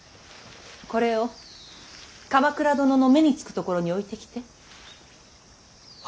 これを鎌倉殿の目につく所に置いてきて。